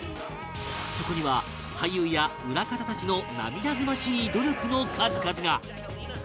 そこには俳優や裏方たちの涙ぐましい努力の数々が